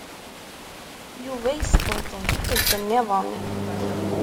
Yuba yesṭebṭeb tikkelt niḍen.